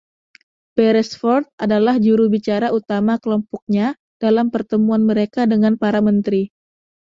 Beresford adalah juru bicara utama kelompoknya dalam pertemuan mereka dengan para Menteri.